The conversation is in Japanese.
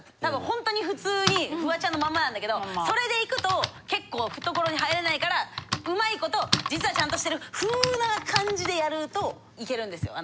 ホントに普通にフワちゃんのまんまなんだけどそれで行くと結構懐に入れないから上手いこと実はちゃんとしてる風な感じでやるといけるんですよ。